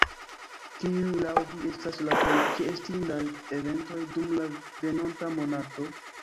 Kiuj laŭ vi estas la plej ĉeestindaj eventoj dum la venonta monato?